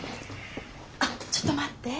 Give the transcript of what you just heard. あっちょっと待って。